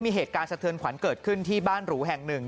มีเหตุการณ์สะเทือนขวัญเกิดขึ้นที่บ้านหรูแห่งหนึ่ง